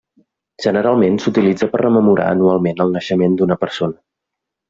Generalment s'utilitza per a rememorar anualment el naixement d'una persona.